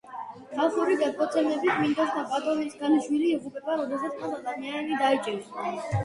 ხალხური გადმოცემებით, მინდორთ ბატონის ქალიშვილი იღუპება, როდესაც მას ადამიანი დაიჭერს.